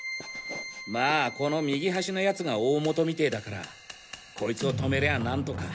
まあこの右端のヤツが大元みてぇだからコイツを止めりゃ何とか。